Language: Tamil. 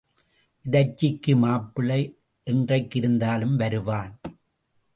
இடைச்சிக்கு மாப்பிள்ளை என்றைக்கிருந்தாலும் வருவான்.